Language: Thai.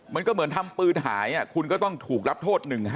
มันก็เหมือนทำปืนหายคุณก็ต้องถูกรับโทษ๑๕